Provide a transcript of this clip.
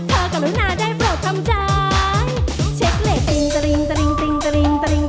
เธอกับลูกนานได้บริถามใจ